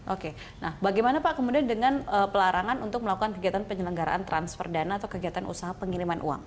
oke nah bagaimana pak kemudian dengan pelarangan untuk melakukan kegiatan penyelenggaraan transfer dana atau kegiatan usaha pengiriman uang